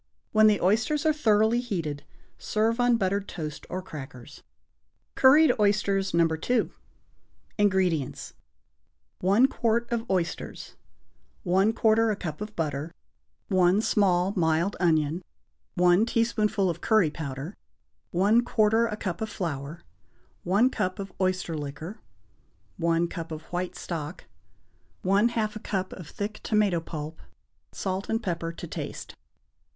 When the oysters are thoroughly heated, serve on buttered toast or crackers. =Curried Oysters, No. 2.= INGREDIENTS. 1 quart of oysters. 1/4 a cup of butter. One small mild onion. 1 tablespoonful of curry powder. 1/4 a cup of flour. 1 cup of oyster liquor. 1 cup of white stock. 1/2 a cup of thick tomato pulp. Salt and pepper to taste.